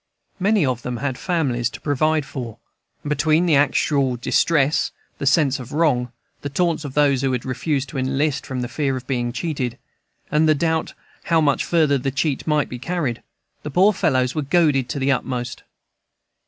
Many of them had families to provide for, and between the actual distress, the sense of wrong, the taunts of those who had refused to enlist from the fear of being cheated, and the doubt how much farther the cheat might be carried, the poor fellows were goaded to the utmost.